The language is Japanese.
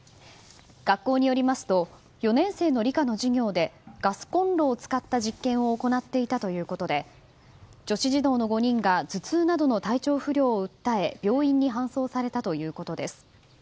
学校によりますと４年生の理科の授業でガスコンロを使った実験を行っていたということで女子児童の５人が頭痛などの体調不良を訴え病院に搬送されたということです。